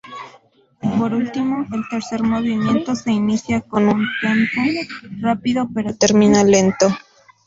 Por último, el tercer movimiento se inicia con un tempo rápido pero termina lento.